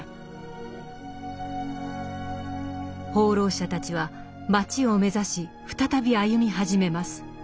放浪者たちは「街」を目指し再び歩み始めます。